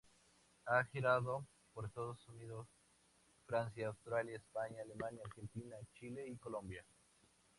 Ha girado por Estados Unidos, Francia, Austria, España, Alemania, Argentina, Chile y Colombia.